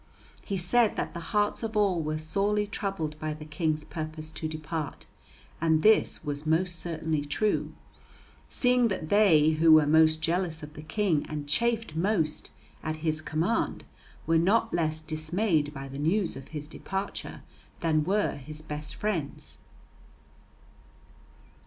He said that the hearts of all were sorely troubled by the King's purpose to depart and this was most certainly true, seeing that they who were most jealous of the King and chafed most at his command were not less dismayed by the news of his departure than were his best friends.